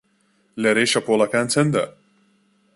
لەرەی شەپۆڵەکان چەندە؟